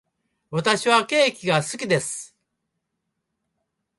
私はケーキが好きです。